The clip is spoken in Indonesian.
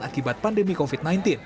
akibat pandemi covid sembilan belas